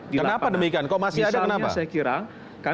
di lapangan kenapa demikian kok mas